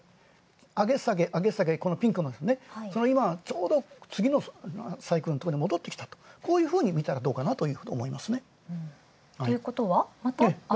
上げ下げ上げ下げ、このピンクの、今、ちょうど次のサイクルに戻ってきたと、こういうふうに見たらどうかと思いますね。